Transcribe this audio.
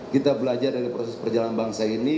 kita belajar dari proses perjalanan bangsa ini